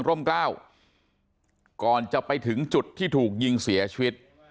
กล้าวก่อนจะไปถึงจุดที่ถูกยิงเสียชีวิต